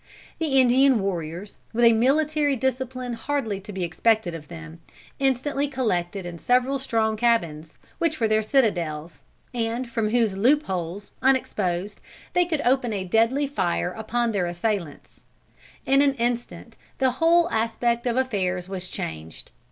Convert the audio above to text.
The Indian warriors, with a military discipline hardly to be expected of them, instantly collected in several strong cabins, which were their citadels, and from whose loop holes, unexposed, they could open a deadly fire upon their assailants, In an instant, the whole aspect of affairs was changed.